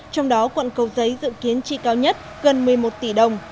trong đó quận cầu giấy dự kiến chi cao nhất gần một mươi một tỷ đồng